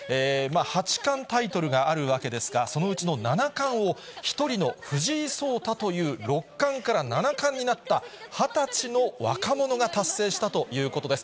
八冠タイトルがあるわけですが、そのうちの七冠を、１人の藤井聡太という六冠から七冠になった、２０歳の若者が達成したということです。